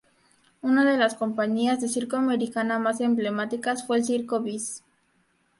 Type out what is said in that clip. Una de las compañías de circo americana más emblemáticas fue el Circo Beas.